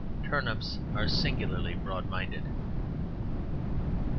Turnips are singularly broad minded.